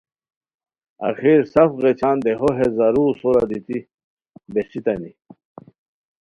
آخر سف غیچھان دیہو ہے زارؤو سورا دیتی بہچیتانی